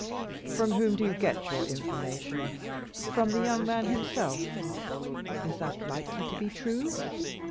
"From whom do you get your information? From the young man himself. Is that likely to be true?